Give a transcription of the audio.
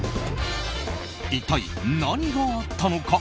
一体何があったのか。